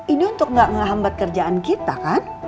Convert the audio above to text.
ini untuk gak ngehambat kerjaan kita kan